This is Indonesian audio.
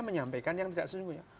menyampaikan yang tidak sesungguhnya